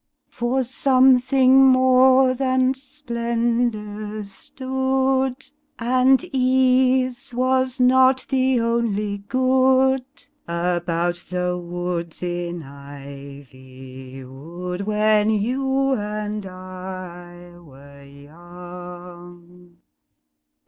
For somethifig more than splendour stood; and ease was not the only good About the woods in Iv3rwood when you and I were young.